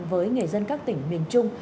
với nghề dân các tỉnh miền trung